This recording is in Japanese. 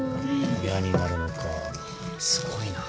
親になるのかすごいな。